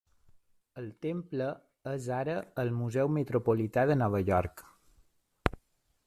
El temple és ara al Museu metropolità de Nova York.